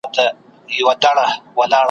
تر کاڼي کله د بیزو کار وو `